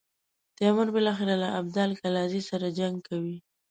تیمور بالاخره له ابدال کلزايي سره جنګ کوي.